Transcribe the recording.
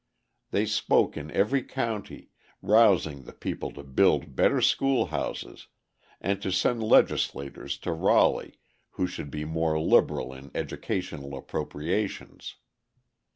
They spoke in every county, rousing the people to build better school houses and to send legislators to Raleigh who should be more liberal in educational appropriations.